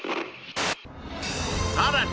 さらに